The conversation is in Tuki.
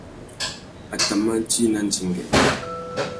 A tà mà djï nà ndzengüê.